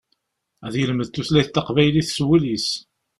Ad yelmed tutlayt taqbaylit s wul-is.